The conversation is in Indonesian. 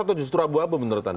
atau justru abu abu menurut anda